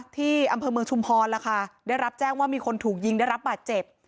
ที่อำเภอเมืองชุมพรได้รับแจ้งว่ามีคนถูกยิงได้รับบาดเจ็บ